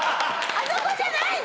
あそこじゃないの？